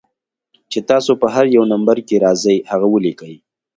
چې تاسو پۀ هر يو نمبر کښې راځئ هغه وليکئ